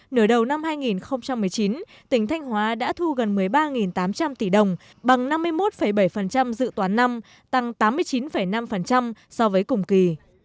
nửa đầu năm hai nghìn một mươi chín tỉnh thanh hóa đã thu gần một mươi ba tám trăm linh tỷ đồng bằng năm mươi một bảy dự toán năm tăng tám mươi chín năm so với cùng kỳ